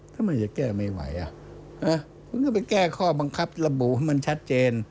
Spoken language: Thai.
ถ้ามันจะแก้ไม่ไหวมันก็ไปแก้ข้อบังคับระบุให้มันชัดเจน